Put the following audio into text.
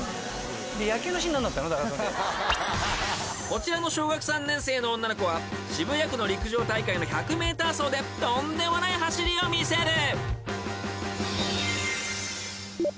［こちらの小学３年生の女の子は渋谷区の陸上大会の１００ｍ走でとんでもない走りを見せる］